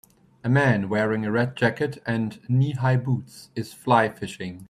A man wearing a red jacket and knee high boots is fly fishing.